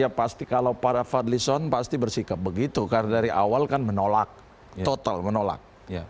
ya pasti kalau para fadlison pasti bersikap begitu karena dari awal kan menolak total menolak